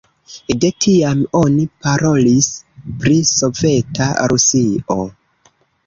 De tiam oni parolis pri Soveta Rusio.